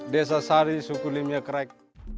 desa sari sukulimia krek